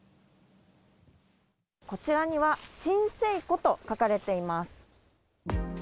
こちらには震生湖と書かれています。